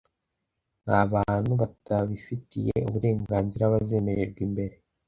Nta bantu batabifitiye uburenganzira bazemererwa imbere.